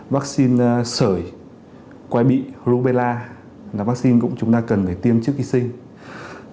vaccine sởi quái bị rubella là vaccine cũng chúng ta cần phải tiêm trước khi sinh